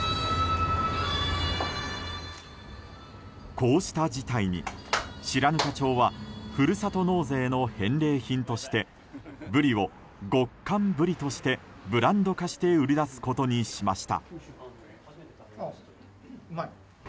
こうした事態に白糠町はふるさと納税の返礼品としてブリを極寒ブリとしてブランド化して売り出すことにしました。